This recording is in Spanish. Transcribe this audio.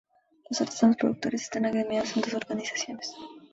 Los artesanos productores están agremiados en dos organizaciones.